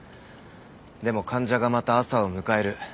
でも患者がまた朝を迎える。